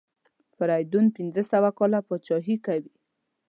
فریدون پنځه سوه کاله پاچهي کوي.